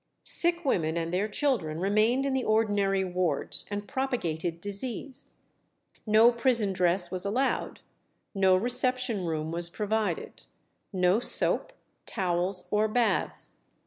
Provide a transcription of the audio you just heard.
Sick women and their children remained in the ordinary wards, and propagated disease. No prison dress was allowed; no reception room was provided, no soap, towels, or baths.